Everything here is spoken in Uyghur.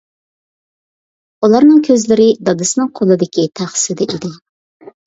ئۇلارنىڭ كۆزلىرى دادىسىنىڭ قولىدىكى تەخسىدە ئىدى.